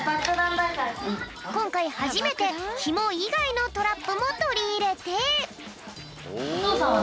こんかいはじめてヒモいがいのトラップもとりいれて。